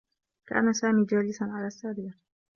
كان سامي جالسا على السّرير.